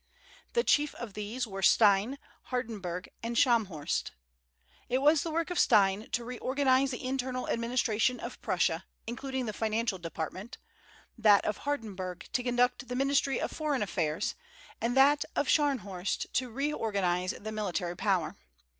The chief of these were Stein, Hardenberg, and Scharnhorst. It was the work of Stein to reorganize the internal administration of Prussia, including the financial department; that of Hardenberg to conduct the ministry of foreign affairs; and that of Scharnhorst to reorganize the military power.